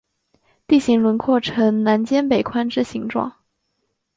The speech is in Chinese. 地形轮廓呈南尖北宽之形状。